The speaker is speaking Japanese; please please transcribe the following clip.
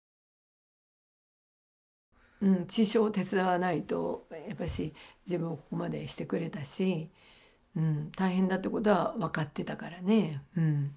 うん師匠を手伝わないとやっぱし自分をここまでしてくれたし大変だってことは分かってたからね。